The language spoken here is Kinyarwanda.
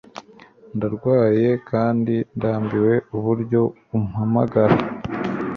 Ndarwaye kandi ndambiwe uburyo umpamagara.